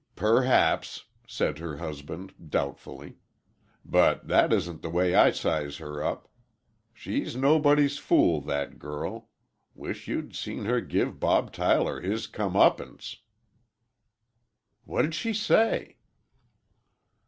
"Perhaps," said her husband, doubtfully. "But that isn't the way I size her up. She's nobody's fool, that girl. Wish you'd seen her give Bob Tyler his comeuppance!" "What'd she say?"